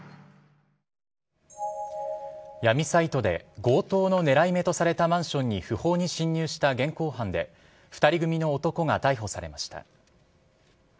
闇サイトで、強盗の狙い目とされたマンションに不法に侵入した現行犯で、２人組の男が逮捕されました。